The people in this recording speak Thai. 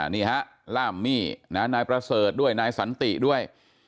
นี่ฮะล่ามมี่นายประเสริฐด้วยนายสันติด้วย